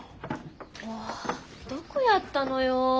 もうどこやったのよ。